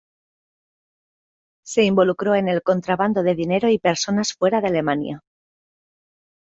Se involucró en el contrabando de dinero y personas fuera de Alemania.